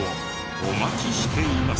お待ちしています。